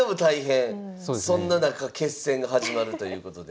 そんな中決戦が始まるということで。